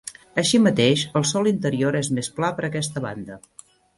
Així mateix, el sòl interior és més pla per aquesta banda.